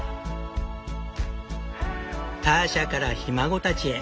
ターシャからひ孫たちへ。